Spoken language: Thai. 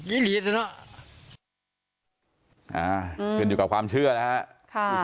ครับต้องต้องยืนอยู่กับความเชื่อนะฮะ